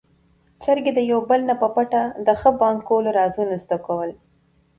چرګې د يو بل نه په پټه د ښه بانګ کولو رازونه زده کول.